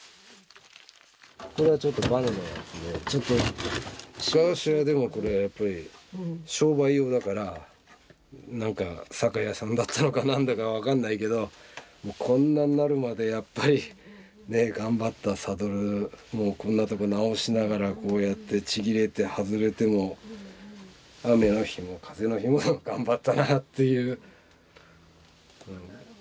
これはちょっとバネのやつで昔はでもこれやっぱり商売用だから酒屋さんだったのか何だか分かんないけどこんなになるまでやっぱりね頑張ったサドルこんなとこ直しながらこうやってちぎれて外れても雨の日も風の日も頑張ったなっていう。